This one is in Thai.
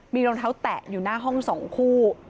มีรองเท้าแตะอยู่หน้าห้อง๒คู่